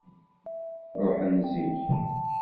Ṛuḥen zik.